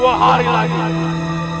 acahmu seakin dekat rangga sokot